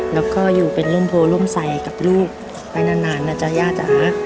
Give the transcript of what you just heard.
แล้วก็อยู่เป็นร่มโพร่มใสกับลูกไปนานนะจ๊ะย่าจ๋า